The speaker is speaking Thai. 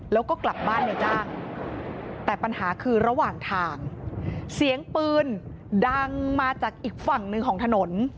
แล้วก็กลับบ้านในจ้างแต่ปัญหาคือระหว่างทางเสียงปืนดังมาจากอีกฝั่งหนึ่งของถนน